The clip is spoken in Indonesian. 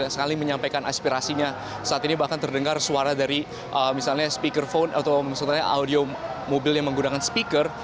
sekali menyampaikan aspirasinya saat ini bahkan terdengar suara dari misalnya speaker phone atau misalnya audio mobil yang menggunakan speaker